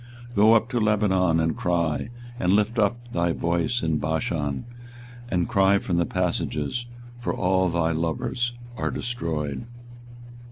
24:022:020 Go up to Lebanon, and cry; and lift up thy voice in Bashan, and cry from the passages: for all thy lovers are destroyed.